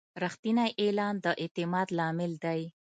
رښتینی اعلان د اعتماد لامل دی.